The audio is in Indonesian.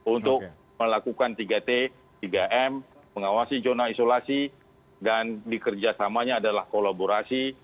untuk melakukan tiga t tiga m mengawasi zona isolasi dan dikerjasamanya adalah kolaborasi